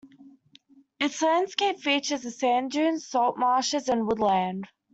Its landscape features sand dunes, salt marshes and woodland.